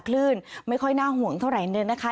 คลื่นไม่ค่อยน่าห่วงเท่าไหร่เลยนะคะ